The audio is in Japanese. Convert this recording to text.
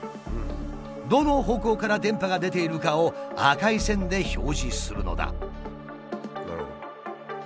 どの方向から電波が出ているかを赤い線で表示するのだ。